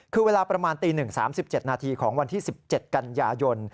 คือเวลาประมาณตี๑๓๗นาทีของวันที่๑๗กันยายน